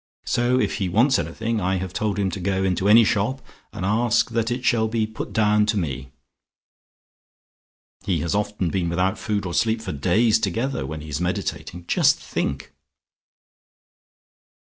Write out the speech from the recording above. So if he wants anything, I have told him to go into any shop and ask that it shall be put down to me. He has often been without food or sleep for days together when he is meditating. Just think!